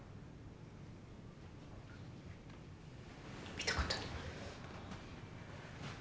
見たことない。